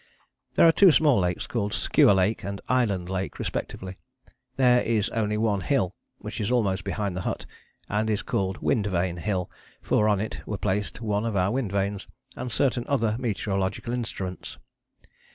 There are two small lakes, called Skua Lake and Island Lake respectively. There is only one hill which is almost behind the hut, and is called Wind Vane Hill, for on it were placed one of our wind vanes and certain other meteorological instruments.